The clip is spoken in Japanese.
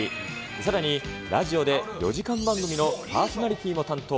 さらに、ラジオで４時間番組のパーソナリティーも担当。